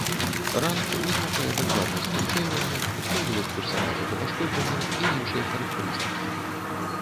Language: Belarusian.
Ранг вызначае дакладнасць прыцэльвання, ўстойлівасць персанажа да пашкоджанняў і іншыя характарыстыкі.